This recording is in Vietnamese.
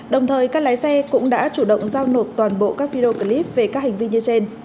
đồng thời các lái xe cũng đã chủ động giao nộp toàn bộ các video clip về các hành vi như trên